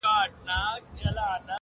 او بل زما وړه موسکا چي څوک په زړه وچيچي